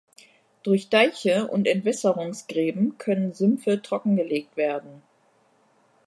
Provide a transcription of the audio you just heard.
Durch Deiche und Entwässerungsgräben können Sümpfe trockengelegt werden.